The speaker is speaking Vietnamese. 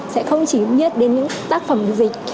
sẽ không chỉ biết đến những tác phẩm dịch